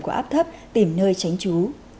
của áp thấp tìm nơi tránh chú